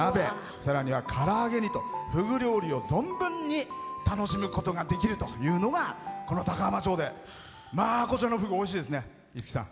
さらには、から揚げにとふぐ料理を存分に楽しむことができるというのがこの高浜町でこちらのふぐおいしいですね、五木さん。